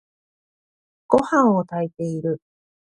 ごはんを炊いている。